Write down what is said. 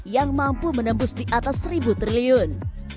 yang mampu menembus di atas seribu triliun